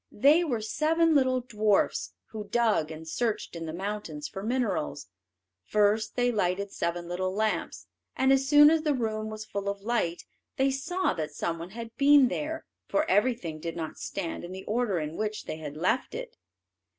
They were seven little dwarfs, who dug and searched in the mountains for minerals. First they lighted seven little lamps, and as soon as the room was full of light they saw that some one had been there, for everything did not stand in the order in which they had left it.